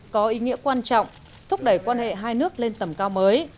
có ý nghĩa quan trọng thúc đẩy quan hệ hai nước lên tầm cao mới